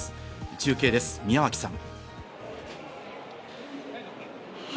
中継です、宮脇さん。